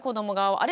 あれ？